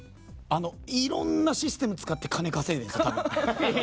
いろんなシステム使って金稼いでるんです。